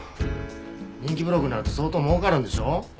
人気ブログになると相当儲かるんでしょ？